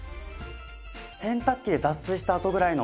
洗濯機で脱水したあとぐらいの。